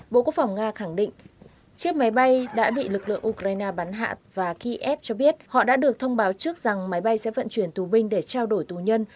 bộ quốc phòng nga khẳng định chiếc máy bay đã bị lực lượng ukraine bắn hạ và khi ép cho biết họ đã được thông báo trước rằng máy bay sẽ vận chuyển tù binh để trao đổi tù nhân